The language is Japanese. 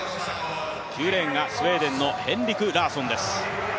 ９レーンがスウェーデンのヘンリク・ラーソンです。